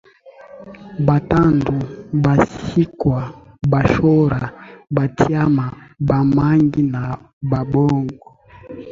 Bhatandu Bhasikwa Bhashora Bhatyama Bhamangi na Bhambogo